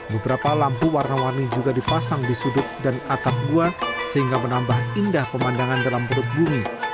beberapa lampu warna warni juga dipasang di sudut dan atap gua sehingga menambah indah pemandangan dalam perut bumi